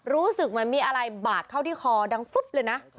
รู้สึกเหมือนมีอะไรบาดเข้าที่คอดังฟึ๊บเลยนะ